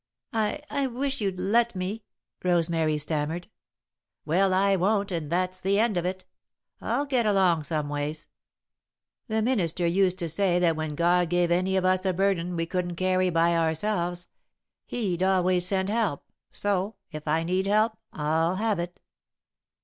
"I I wish you'd let me," Rosemary stammered. "Well, I won't, and that's the end of it. I'll get along someways. The minister used to say that when God gave any of us a burden we couldn't carry by ourselves, He'd always send help, so, if I need help, I'll have it.